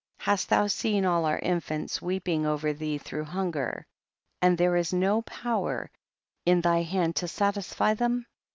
20. Hast thou seen all our infants weeping over thee through hunger and there is no power in thy hand to satisfy them